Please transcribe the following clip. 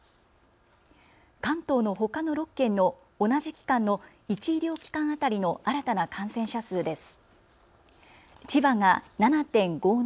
関東のほかの６県の同じ期間の１医療機関当たりの新たな感染者数です。